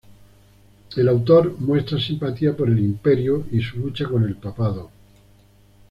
El autor muestra simpatía por el Imperio y su lucha con el Papado.